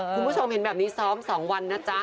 คุณผู้ชมเห็นแบบนี้ซ้อม๒วันนะจ๊ะ